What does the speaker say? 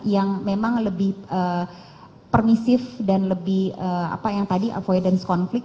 yang memang lebih permisif dan lebih apa yang tadi avoidance konflik